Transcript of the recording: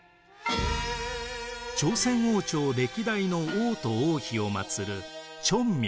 朝鮮王朝歴代の王と王妃を祭る宗廟。